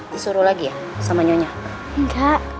disuruh lagi ya sama nyonya enggak